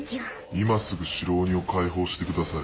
今すぐ白鬼を解放してください。